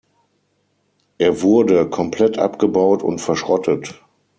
Er wurde komplett abgebaut und verschrottet.